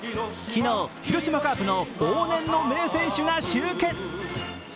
昨日、広島カープの往年の名選手が集結。